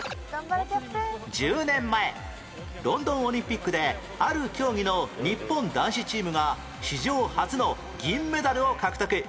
１０年前ロンドンオリンピックである競技の日本男子チームが史上初の銀メダルを獲得